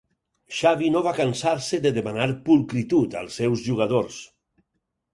Xavi no va cansar-se de demanar "pulcritud" als seus jugadors.